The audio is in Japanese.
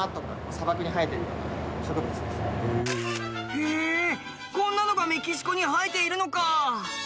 へえこんなのがメキシコに生えているのか。